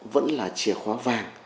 vẫn là chìa khóa vàng